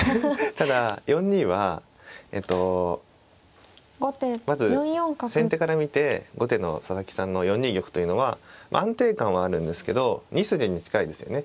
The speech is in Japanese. ただ４二はえっとまず先手から見て後手の佐々木さんの４二玉というのは安定感はあるんですけど２筋に近いですよね。